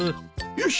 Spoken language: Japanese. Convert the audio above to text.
よし！